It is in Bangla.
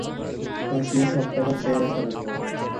পাঁচ মেয়ে সব কটার চেহারা খারাপ।